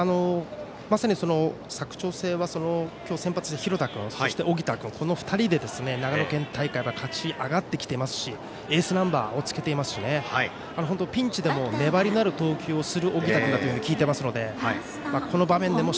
まさに佐久長聖は今日、先発の廣田君そして、小北君の２人で長野県大会を勝ち上がってきていますしエースナンバーをつけていますしピンチでも粘りのある投球をする小北君だというふうに聞いていますので、この場面でも